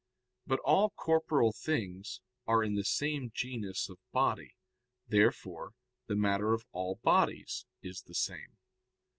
But all corporeal things are in the same genus of body. Therefore the matter of all bodies is the same.